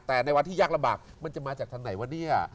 แต่ในวันที่ยากลำบากมันจะมาจากทางไหนวะเนี่ย